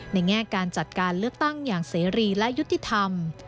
แง่การจัดการเลือกตั้งอย่างเสรีและยุติธรรม